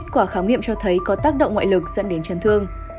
quả khám nghiệm cho thấy có tác động ngoại lực dẫn đến chân thương